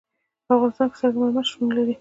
په افغانستان کې سنگ مرمر شتون لري.